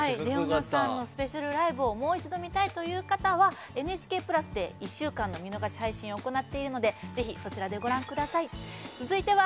ＲｅｏＮａさんのスペシャルライブをもう一度、見たいという方は「ＮＨＫプラス」で１週間の見逃し配信を行っているのでぜひそちらで、ご覧ください。